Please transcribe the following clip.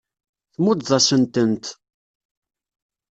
Tmuddeḍ-asent-tent.